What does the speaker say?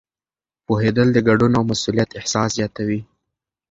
پوهېدل د ګډون او مسؤلیت احساس زیاتوي.